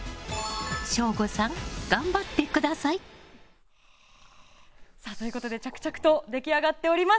省吾さん、頑張ってください！ということで、着々と出来上がっております。